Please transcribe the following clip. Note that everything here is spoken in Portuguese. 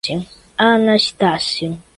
Anastácio